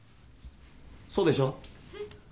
そうでしょ？